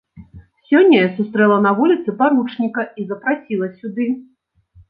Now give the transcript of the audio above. Сёння я сустрэла на вуліцы паручніка і запрасіла сюды.